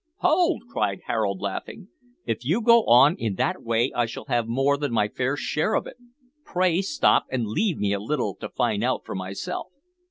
hold!" cried Harold, laughing, "if you go on in that way I shall have more than my fair share of it! Pray stop, and leave me a little to find out for myself."